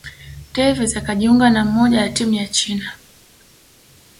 tevez akajiunga na moja ya timu ya China